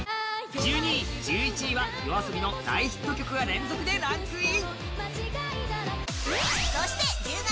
１２位、１１位はＹＯＡＳＯＢＩの大ヒット曲が連続でランクイン。